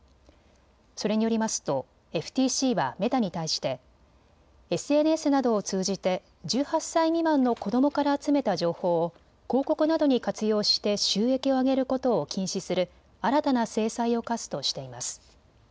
それによりますとＦＴＣはメタに対して、ＳＮＳなどを通じて１８歳未満の子どもから集めた情報を広告などに活用して収益を上げることを禁止する新たな制裁を科すとしています。